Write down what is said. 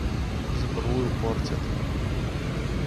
Сбрую портят.